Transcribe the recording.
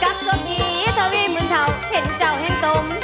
จกตะปีทวิหมึนเทาเห็นเจ้าเห็นตม